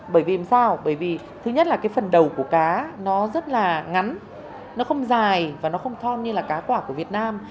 bởi vì làm sao bởi vì thứ nhất là cái phần đầu của cá nó rất là ngắn nó không dài và nó không thon như là cá quả của việt nam